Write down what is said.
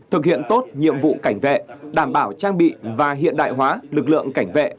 thực hiện tốt nhiệm vụ cảnh vệ đảm bảo trang bị và hiện đại hóa lực lượng cảnh vệ